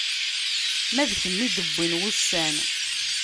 Ma d kemm i d-wwin wussan.